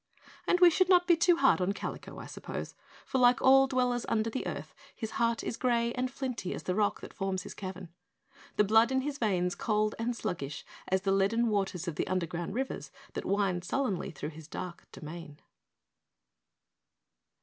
And we should not be too hard on Kalico, I suppose, for like all the dwellers under the earth, his heart is gray and flinty as the rock that forms his cavern, the blood in his veins cold and sluggish as the leaden waters of the underground rivers that wind sullenly through his dark domain.